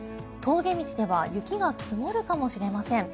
峠道では雪が積もるかもしれません。